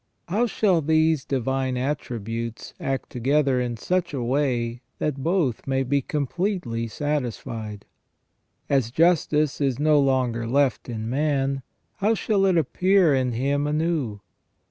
How shall these divine attributes act together in such a way that both may be completely satisfied ? As justice is no longer left in man, how shall it appear in him anew?